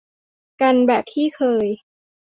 กันแบบที่เคย